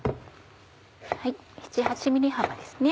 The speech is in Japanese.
７８ｍｍ幅ですね